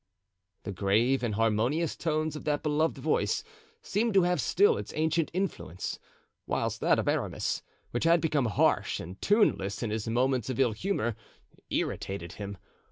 The grave and harmonious tones of that beloved voice seemed to have still its ancient influence, whilst that of Aramis, which had become harsh and tuneless in his moments of ill humor, irritated him.